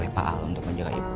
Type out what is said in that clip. saya paal untuk menjaga ibu